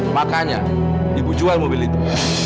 makanya ibu jual mobil itu